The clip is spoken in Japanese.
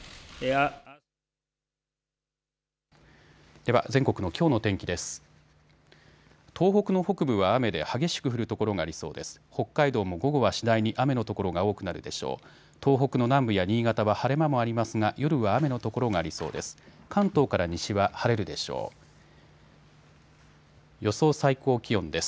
東北の南部や新潟は晴れ間もありますが夜は雨のところがありそうです。